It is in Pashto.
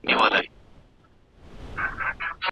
باغچې د ګلو سولې ویجاړي